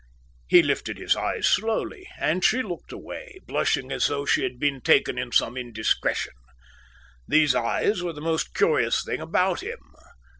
He lifted his eyes slowly, and she looked away, blushing as though she had been taken in some indiscretion. These eyes were the most curious thing about him.